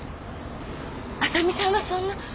浅見さんはそんな。